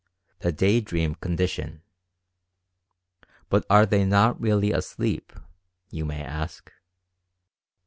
THE "DAY DREAM" CONDITION. "But are they not really asleep?" you may ask.